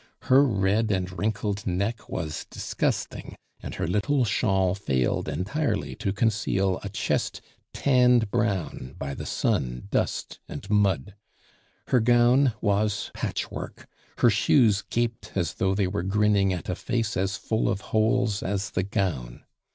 Her red and wrinkled neck was disgusting, and her little shawl failed entirely to conceal a chest tanned brown by the sun, dust, and mud. Her gown was patchwork; her shoes gaped as though they were grinning at a face as full of holes as the gown.